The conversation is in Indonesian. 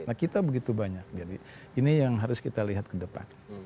nah kita begitu banyak jadi ini yang harus kita lihat ke depan